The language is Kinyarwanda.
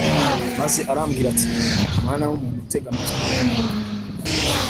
Maze arambwira ati Mwana w umuntu tega amatwi wumve